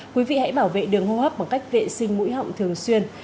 quý vị hãy bảo vệ đường hô hấp bằng cách vệ sinh mũi họng thường xuyên